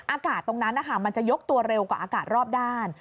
อากาศตรงนั้นมันจะยกตัวเร็วกว่าอากาศรอบด้าน